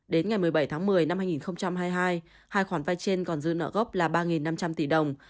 đến ngày một mươi bảy tháng một mươi năm hai nghìn hai mươi hai hai khoản vay trên còn dư nợ gốc là ba năm trăm linh tỷ đồng